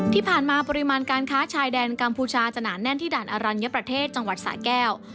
ที่ผ่านมาปริมาณการค้าชายแดนกัมพูชาจะหนาแน่นที่ด่านอรัญญประเทศจังหวัดสะแก้ว